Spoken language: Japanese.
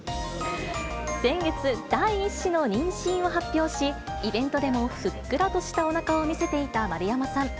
先月、第１子の妊娠を発表し、イベントでもふっくらとしたおなかを見せていた丸山さん。